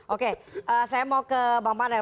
oke saya mau ke bang panel